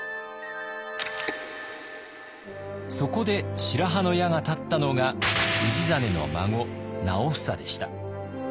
そこで白羽の矢が立ったのが氏真の孫直房でした。